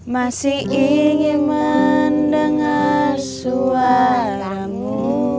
masih ingin mendengar suaramu